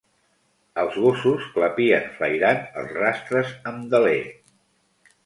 Els gossos clapien flairant els rastres amb deler.